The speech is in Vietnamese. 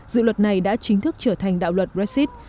dự luật này đã chính thức trở thành đạo luật brexit